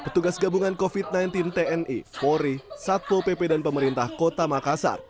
petugas gabungan covid sembilan belas tni polri satpo pp dan pemerintah kota makassar